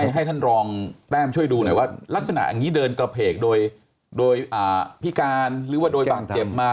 ให้ท่านรองแต้มช่วยดูหน่อยว่ารักษณะอย่างนี้เดินกระเพกโดยพิการหรือว่าโดยบาดเจ็บมา